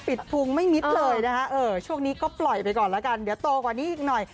ภูมิไม่มิดเลยนะคะเออช่วงนี้ก็ปล่อยไปก่อนแล้วกันเดี๋ยวโตกว่านี้อีกหน่อย